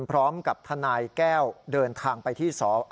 พร้อมกับทนายแก้วเดินทางไปที่สอ